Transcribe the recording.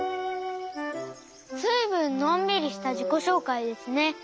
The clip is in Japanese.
ずいぶんのんびりしたじこしょうかいですね。